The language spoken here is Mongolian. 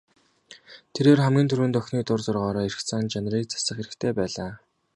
Тэрээр хамгийн түрүүнд охины дур зоргоороо эрх зан чанарыг засах хэрэгтэй байлаа.